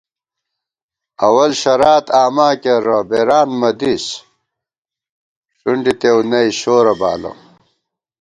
اول شرادآما کېرہ بېرانت مہ دِس ݭُنڈِتېؤ نئ شورَہ بالہ